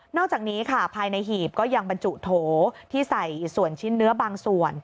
อกจากนี้ค่ะภายในหีบก็ยังบรรจุโถที่ใส่ส่วนชิ้นเนื้อบางส่วน